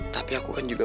tapi aku kan juga paham